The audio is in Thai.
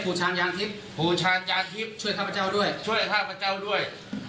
ผู้ชาญญาณทิพย์ช่วยท่าพเจ้าด้วยช่วยท่าพเจ้าด้วย